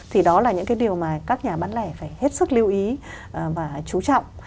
thì đó là những cái điều mà các nhà bán lẻ phải hết sức lưu ý và chú trọng